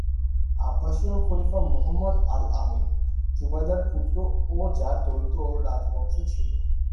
আব্বাসীয় খলিফা Muhammad al Amin, জুবাইদার পুত্র ও যার দ্বৈত রাজ বংশ ছিল।